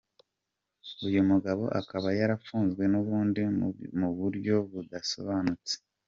Uyu mugabo akaba yarafunzwe n’ubundi mu buryo budasobanutse.